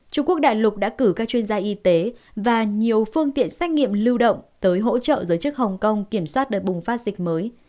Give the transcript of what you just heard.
trung quốc đại lục đã cử các chuyên gia y tế và nhiều phương tiện xét nghiệm lưu động tới hỗ trợ giới chức hồng kông kiểm soát đợt bùng phát dịch mới